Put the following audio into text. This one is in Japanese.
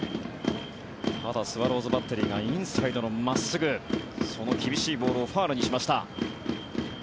ただ、スワローズバッテリーがインサイドの真っすぐその厳しいボールをファウルにしました。